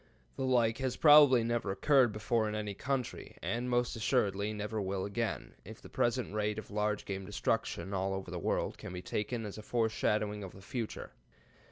The like has probably never occurred before in any country, and most assuredly never will again, if the present rate of large game destruction all over the world can be taken as a foreshadowing of the future.